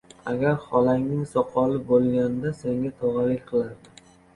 • Agar xolangning soqoli bo‘lganida senga tog‘alik qilardi.